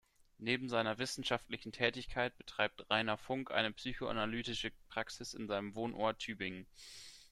Neben seiner wissenschaftlichen Tätigkeit betreibt Rainer Funk eine psychoanalytische Praxis in seinem Wohnort Tübingen.